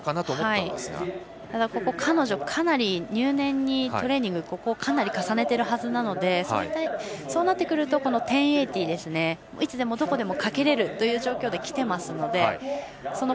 ただ、彼女はかなり入念にここのトレーニングをかなり重ねているはずなのでそうなってくると１０８０をいつでもどこでもかけられる状態で来ていますので。